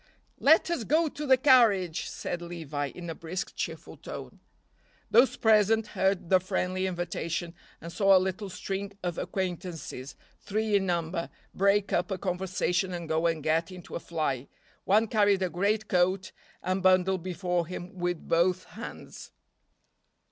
"Let us go to the carriage," said Levi, in a brisk, cheerful tone. Those present heard the friendly invitation and saw a little string of acquaintances, three in number, break up a conversation and go and get into a fly; one carried a great coat and bundle before him with both hands.